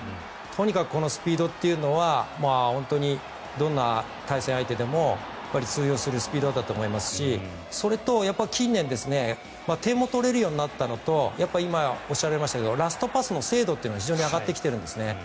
とにかくこのスピードというのはどんな対戦相手でも通用するスピードだと思いますしそれと近年点も取れるようになったのと今、おっしゃられましたけどラストパスの精度が非常に上がってきているんですよね。